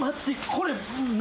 これ。